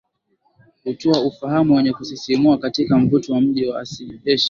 Hutoa ufahamu wenye kusisimua katika mvuto wa mji wa Asia